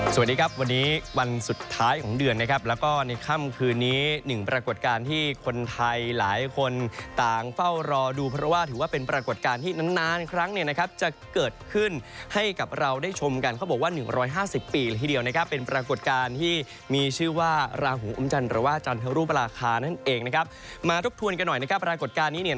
สวัสดีครับวันนี้วันสุดท้ายของเดือนนะครับแล้วก็ในค่ำคืนนี้หนึ่งปรากฏการณ์ที่คนไทยหลายคนต่างเฝ้ารอดูเพราะว่าถือว่าเป็นปรากฏการณ์ที่นานครั้งจะเกิดขึ้นให้กับเราได้ชมกันเขาบอกว่า๑๕๐ปีละทีเดียวนะครับเป็นปรากฏการณ์ที่มีชื่อว่าราหูอมจันทร์หรือว่าจันทรุปราคานั่นเองนะครับมาทบทวนกันหน่อยนะครับปรากฏการณ์นี้